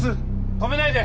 止めないで！